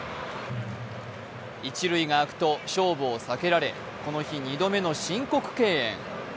一塁があくと勝負を避けられこの日２度目の申告敬遠。